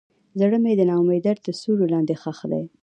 زړه مې د ناامیدۍ تر سیوري لاندې ښخ دی.